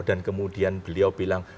dan kemudian beliau bilang